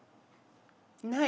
ない。